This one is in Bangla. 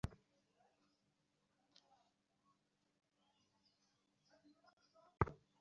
তিনি দিনে দুইবার নামাজ পড়তেন, ফজরের ও মাগরিবের নামাজ।